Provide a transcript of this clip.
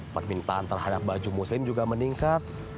permintaan terhadap baju muslim juga meningkat